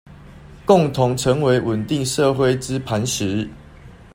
共同成為穩定社會之磐石